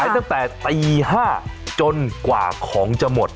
ตั้งแต่ตี๕จนกว่าของจะหมด